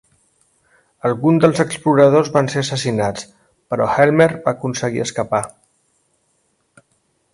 Alguns dels exploradors van ser assassinats, però Helmer va aconseguir escapar.